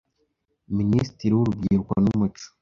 Minisitiri w’Urubyiruko n’umuco,